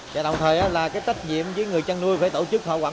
và đồng thời là cái tách nhiệm với người chăn nuôi phải tổ chức